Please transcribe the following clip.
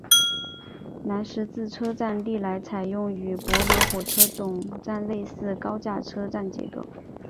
南十字车站历来采用与柏林火车总站类似的高架车站结构。